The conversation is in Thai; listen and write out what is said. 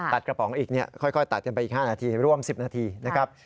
กระป๋องอีกค่อยตัดกันไปอีก๕นาทีร่วม๑๐นาทีนะครับ